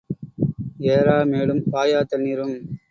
ஏறா மேடும் பாயாத் தண்ணீரும்.